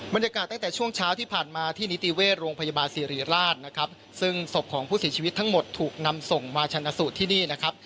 บรรยากาศตั้งแต่ช่วงเช้าที่ผ่านมาที่นิติเวชโรงพยาบาลศิริราชนะครับซึ่งศพของผู้เสียชีวิตทั้งหมดถูกนำส่งมาชนะสูตรที่นี่นะครับ